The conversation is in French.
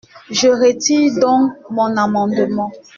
Je retire donc mon amendement.